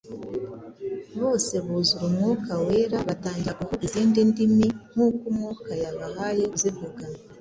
Bose buzuzwa Umwuka Wera, batangira kuvuga izindi ndimi, nk’uko Umwuka yabahaye kuzivuga.